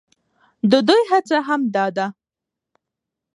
د دوى هڅه هم دا ده،